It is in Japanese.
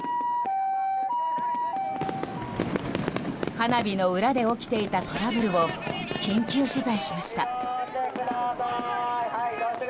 花火の裏で起きていたトラブルを緊急取材しました。